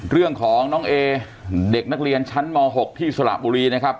เรื่องของน้องเอเด็กนักเรียนชั้นม๖ที่สระบุรีนะครับ